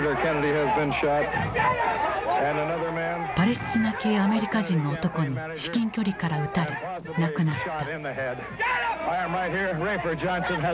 パレスチナ系アメリカ人の男に至近距離から撃たれ亡くなった。